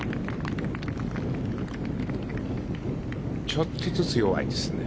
ちょっとずつ弱いですね。